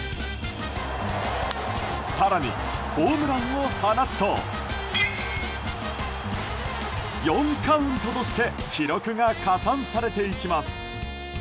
更に、ホームランを放つと４カウントとして記録が加算されていきます。